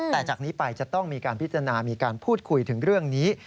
แต่จากนี้ไปจะต้องมีการพิจารณามีการพูดคุยถึงเรื่องนี้